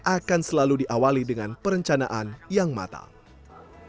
akan selalu diawali dengan perencanaan yang matang